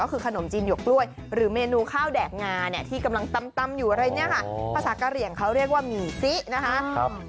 ก็คือขนมจีนหยกกล้วยหรือเมนูข้าวแดกงาเนี่ยที่กำลังตำอยู่อะไรเนี่ยค่ะภาษากะเหลี่ยงเขาเรียกว่าหมี่ซินะคะ